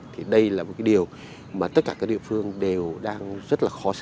thì đây là một cái điều mà tất cả các địa phương đều đang rất là khó sở